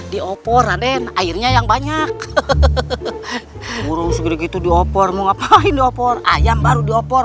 di opor raden airnya yang banyak burung segitu di opor mau ngapain di opor ayam baru di opor